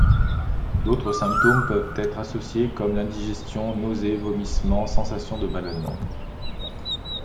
D'autres symptômes peuvent être associés, comme l'indigestion, nausées, vomissements, sensation de ballonnement.